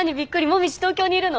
紅葉東京にいるの？